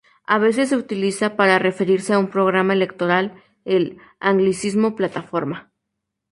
A veces se utiliza, para referirse a un programa electoral, el anglicismo "plataforma".